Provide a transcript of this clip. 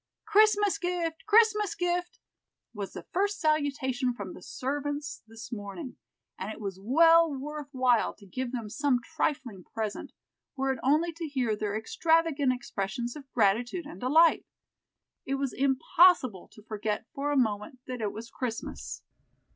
"Christmas gift! Christmas gift!" was the first salutation from the servants this morning, and it was well worth while to give them some trifling present, were it only to hear their extravagant expressions of gratitude and delight. It was impossible to forget for a moment that it was Christmas.